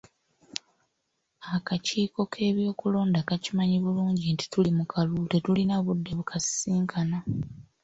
Akakiiko k'ebyokulonda kakimanyi bulungi nti tuli mu kalulu tetulina budde bukasisinkana.